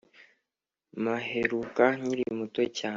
mpaheruka nkiri muto cyane